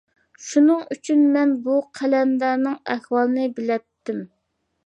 شۇنىڭ ئۈچۈن مەن بۇ قەلەندەرنىڭ ئەھۋالىنى بىلەتتىم.